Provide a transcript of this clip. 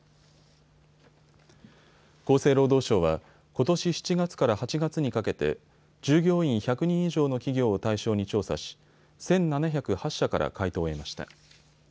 厚生労働省はことし７月から８月にかけて従業員１００人以上の企業を対象に調査し１７０８社から回答を得ました。